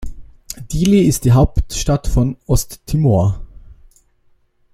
Dili ist die Hauptstadt von Osttimor.